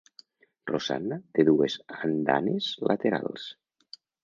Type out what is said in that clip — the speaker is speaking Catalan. Rosanna té dues andanes laterals.